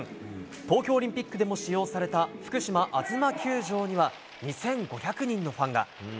東京オリンピックでも使用された福島・あづま球場には２５００人のファンが。